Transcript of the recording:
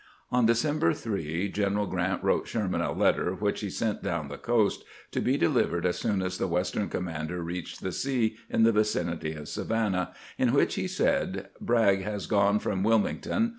On December 3 General Grant wrote Sherman a letter, which he sent down the coast, to be delivered as soon as the Western commander reached the sea in the vicinity of Savannah, in which he said: "Bragg has gone from Wilmington.